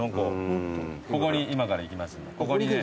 ここに今から行きますんで。